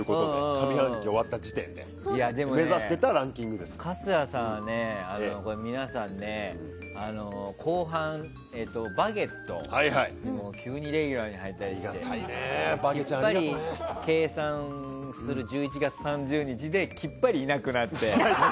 上半期が終わった時点で春日さんはね、皆さんね後半「バゲット」で急にレギュラーに入ったりして計算する１１月３０日できっぱりいなくなって。